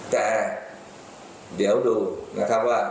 แต่เดี๋ยวดูนะครับว่า